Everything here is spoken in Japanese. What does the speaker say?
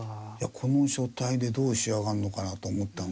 この書体でどう仕上がるのかなと思ったんですけどね。